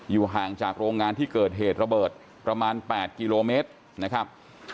ห่างจากโรงงานที่เกิดเหตุระเบิดประมาณ๘กิโลเมตรนะครับ